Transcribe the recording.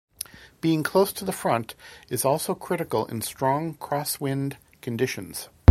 Being close to the front is also critical in strong crosswind conditions.